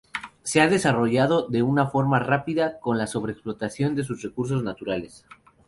Se ha desarrollado de una forma rápida con la sobreexplotación de sus recursos naturales.